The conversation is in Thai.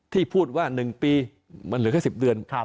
ที่พูดว่า๑ปีมันเหลือแค่๑๐เดือน